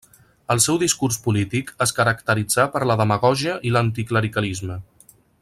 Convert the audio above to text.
El seu discurs polític es caracteritzà per la demagògia i l'anticlericalisme.